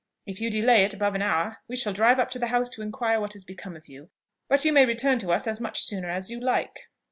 If you delay it above an hour, we shall drive up to the house to inquire what is become of you; but you may return to us as much sooner as you like."